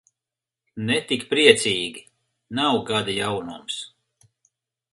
Ne tik priecīgi, nav gada jaunums.